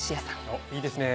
おっいいですね。